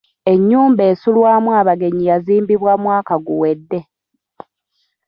Ennyumba esulwamu abagenyi yazimbibwa mwaka guwedde